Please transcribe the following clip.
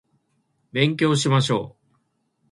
勉強しましょう